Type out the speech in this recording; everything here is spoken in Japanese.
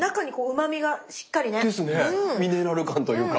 ミネラル感というか。